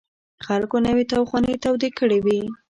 خلکو نوې تاوخانې تودې کړې وې.